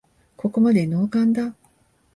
ここまでノーカンだ